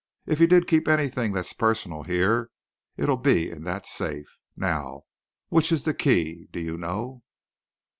If he did keep anything that's personal here, it'll be in that safe. Now, which is the key? Do you know?"